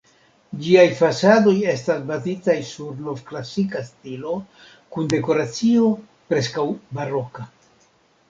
Ĝiaj fasadoj estas bazitaj sur nov-klasika stilo, kun dekoracio preskaŭ-baroka.